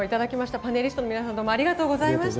パネリストの皆さんどうもありがとうございました。